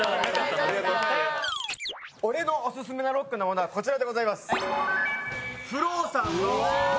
俺のオススメなロックなものはこちらでございます。